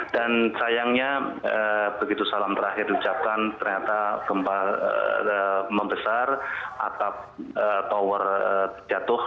dan sayangnya begitu salam terakhir di ucapkan ternyata membesar atap tower jatuh